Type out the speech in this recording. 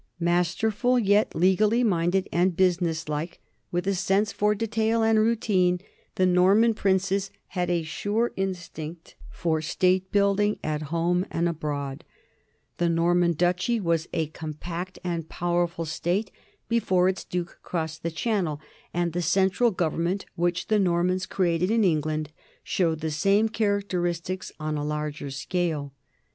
Masterful, yet legally minded and businesslike, with a sense for detail 1 Mont Saint Michel and Chartres, p. 4. NORMANDY IN HISTORY 23 and routine, the Norman princes had a sure instinct for state building, at home and abroad. The Norman duchy was a compact and powerful state before its duke crossed the Channel, and the central government which the Normans created in England showed the same characteristics on a larger scale.